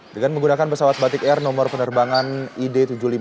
dengan menggunakan pesawat batik air nomor penerbangan id tujuh ribu lima ratus